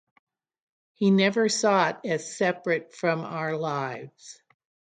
He never saw it as separate from our lives.